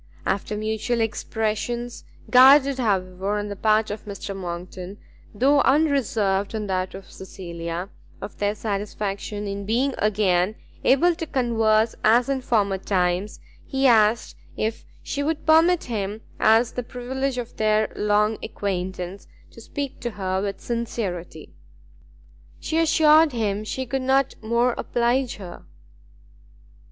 After mutual expressions, guarded, however, on the part of Mr. Monckton, though unreserved on that of Cecilia, of their satisfaction in being again able to converse as in former times, he asked if she would permit him, as the privilege of their long acquaintance, to speak to her with sincerity. She assured him he could not more oblige her.